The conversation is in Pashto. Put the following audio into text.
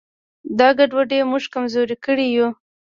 دا ګډوډي موږ کمزوري کړي یو.